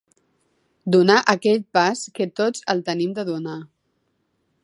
Donar aquell pas que tots el tenim de donar.